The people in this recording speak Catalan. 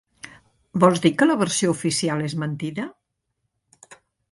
Vols dir que la versió oficial és mentida?